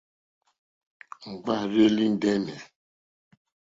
Ŋɡbárzèlì ndɛ́nɛ̀.